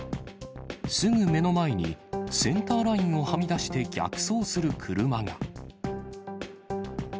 すぐ目の前に、センターラインをはみ出して逆走する車が。